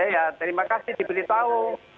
ya terima kasih diberitahu